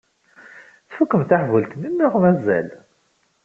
Tfukkem taḥbult-nni neɣ mazal?